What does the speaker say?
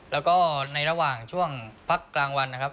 แล้วก็ในระหว่างช่วงพักกลางวันนะครับ